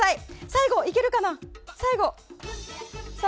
最後いけるかな？